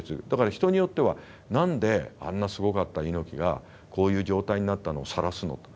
だから人によっては何であんなすごかった猪木がこういう状態になったのをさらすの？